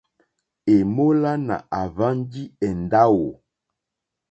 Èmólánà àhwánjì èndáwò.